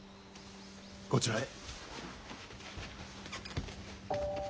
こちらへ。